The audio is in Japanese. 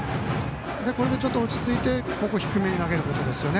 これでちょっと落ち着いてここを低めに投げることですね。